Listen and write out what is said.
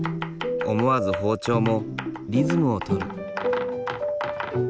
思わず包丁もリズムをとる。